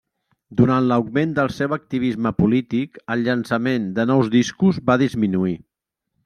Durant l'augment del seu activisme polític, el llançament de nous discos va disminuir.